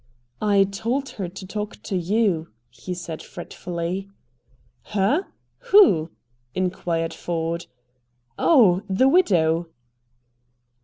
"I told her to talk to you," he said fretfully. "Her? Who?" inquired Ford. "Oh, the widow?"